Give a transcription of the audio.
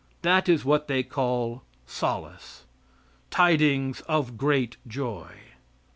That is what they call "solace" "tidings of great joy."